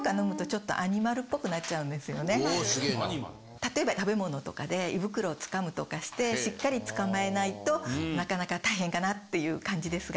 例えば食べ物とかで胃袋を掴むとかしてしっかり捕まえないとなかなか大変かなっていう感じですが。